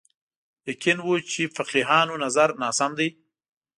یقین و چې فقیهانو نظر ناسم دی